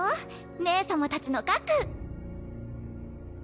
姉様たちの核。